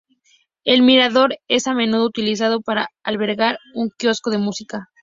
El mirador es a menudo utilizado para albergar un quiosco de música.